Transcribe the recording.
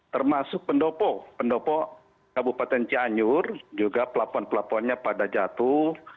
termasuk pendopo pendopo kabupaten cianjur juga pelapon pelaponnya pada jatuh